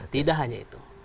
tidak hanya itu